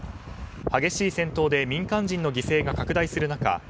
激しい戦闘で民間人の犠牲が拡大する中